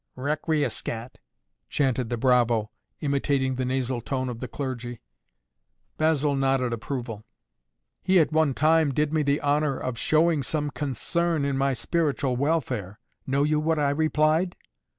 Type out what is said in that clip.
"Requiescat," chanted the bravo, imitating the nasal tone of the clergy. Basil nodded approval. "He at one time did me the honor of showing some concern in my spiritual welfare. Know you what I replied?"